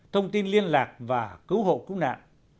thông tin liên lạc và cứu hộ cúng nạn